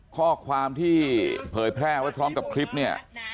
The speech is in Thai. ข้อความที่เผยแพร่ไว้พร้อมกับคลิปเนี่ย